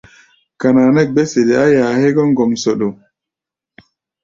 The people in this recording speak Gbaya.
Kana nɛ́ gbɛ̧́ sede a yá hégɔ́ ŋgomsoɗo.